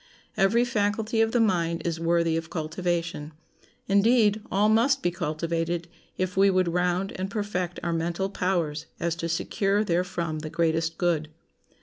Every faculty of the mind is worthy of cultivation; indeed, all must be cultivated, if we would round and perfect our mental powers as to secure therefrom the greatest good.